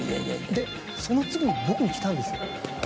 でその次僕にきたんですよ。